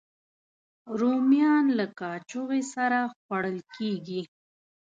رومیان له کاچوغې سره خوړل کېږي